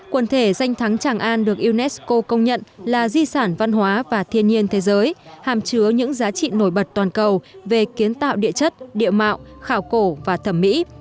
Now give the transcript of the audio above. quần thể danh thắng tràng an được unesco công nhận là di sản văn hóa và thiên nhiên thế giới hàm chứa những giá trị nổi bật toàn cầu về kiến tạo địa chất địa mạo khảo cổ và thẩm mỹ